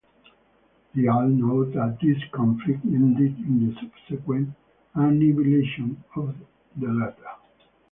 They all note that this conflict ended in the subsequent annihilation of the latter.